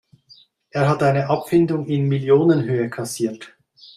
Er hat eine Abfindung in Millionenhöhe kassiert.